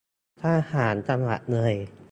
ทหารจังหวัดเลย